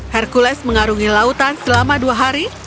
hercules mengarungi lautan selama dua hari